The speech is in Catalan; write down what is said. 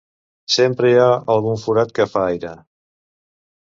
Sempre hi ha algun forat que fa aire.